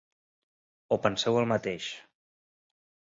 O penseu el mateix?